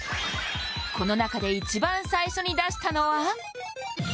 この中で一番最初に出したのは？